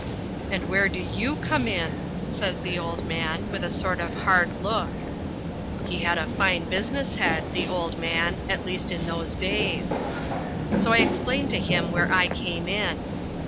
"And where do you come in?" says the old man, with a sort of hard look. He had a fine business head, the old man, at least in those days. So I explained to him where I came in.